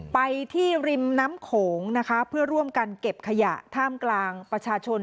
ไปที่ริมน้ำโขงนะคะเพื่อร่วมกันเก็บขยะท่ามกลางประชาชน